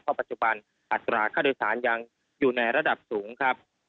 เพราะปัจจุบันอัตราค่าโดยสารยังอยู่ในระดับสูงครับ